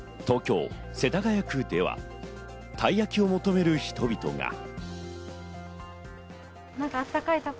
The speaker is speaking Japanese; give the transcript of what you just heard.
東京・世田谷区では、たい焼きを求める人々が。